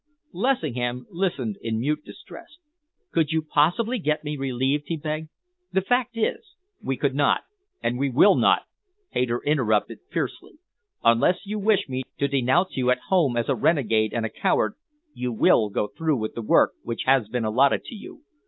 Lessingham listened in mute distress. "Could you possibly get me relieved?" he begged. "The fact is " "We could not, and we will not," Hayter interrupted fiercely. "Unless you wish me to denounce you at home as a renegade and a coward, you will go through with the work which has been allotted to you.